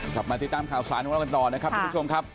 กลับมาติดตามข่าวสารของเรากันต่อนะครับทุกผู้ชมครับ